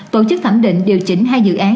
tổ chức thẩm định điều chỉnh hai dự án